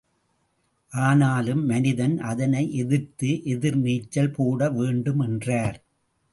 ஆனாலும் மனிதன் அதனை எதிர்த்து எதிர் நீச்சல் போட வேண்டும் என்றார்.